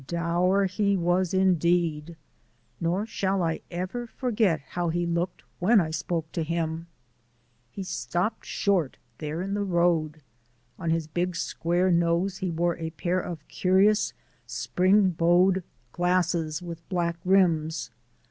Dour he was indeed! Nor shall I ever forget how he looked when I spoke to him. He stopped short there in the road. On his big square nose he wore a pair of curious spring bowed glasses with black rims.